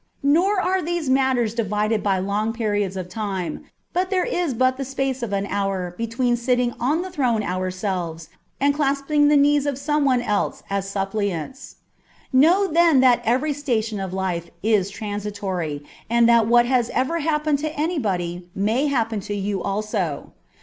nor are these matters divided by long periods of time, but there is but the space of an hour between sitting on the throne ourselves and clasping the knees of some one else as suppliants. Know then that every station of life is transitory, and that what has ever happened to anybody may happen to you also.